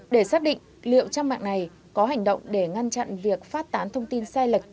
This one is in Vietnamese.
để xác định liệu trang mạng này có hành động để ngăn chặn việc phát tán thông tin sai lệch